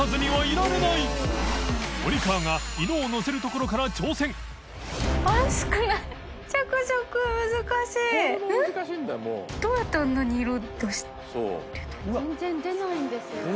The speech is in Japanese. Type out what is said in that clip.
森川）全然出ないんですよ。